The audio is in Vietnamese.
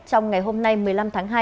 trong ngày hôm nay một mươi năm tháng hai